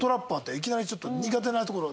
いきなりちょっと苦手なところ。